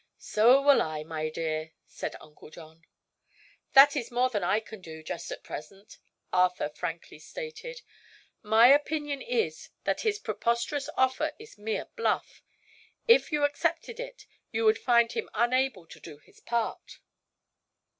"So will I, my dear," said Uncle John. "That is more than I can do, just at present," Arthur frankly stated. "My opinion is that his preposterous offer is mere bluff. If you accepted it, you would find him unable to do his part."